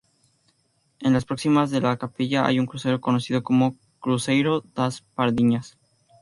En las proximidades de la capilla hay un crucero conocido como "Cruceiro das pardiñas".